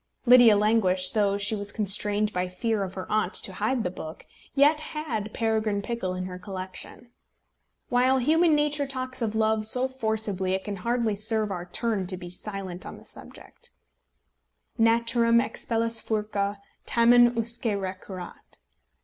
Lydia Languish, though she was constrained by fear of her aunt to hide the book, yet had Peregrine Pickle in her collection. While human nature talks of love so forcibly it can hardly serve our turn to be silent on the subject. "Naturam expellas furcâ, tamen usque recurret."